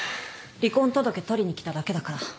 離婚届取りに来ただけだから。